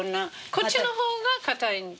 こっちの方が硬い？